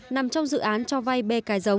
nằm trong dự án cho vai bê cài giống